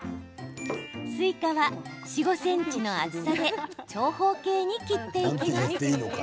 スイカは４、５ｃｍの厚さで長方形に切っていきます。